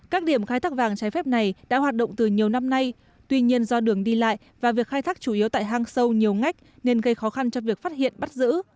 các điểm khai thác vàng trái phép này đã hoạt động từ nhiều năm nay tuy nhiên do đường đi lại và việc khai thác chủ yếu tại hang sâu nhiều ngách nên gây khó khăn cho việc phát hiện bắt giữ